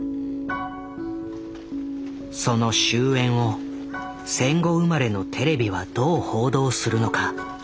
その終焉を戦後生まれのテレビはどう報道するのか。